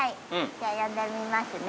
じゃあ呼んでみますね。